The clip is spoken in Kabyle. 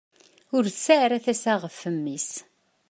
Ur tesɛi ara tasa ɣef mmi-s.